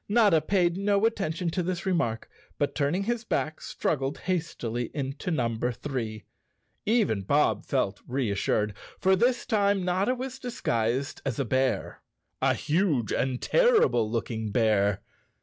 Notta paid no attention to this remark but, turning his back, struggled hastily into number three. Even Bob felt reassured, for this time Notta was dis¬ guised as a bear—a huge and terrible looking bear.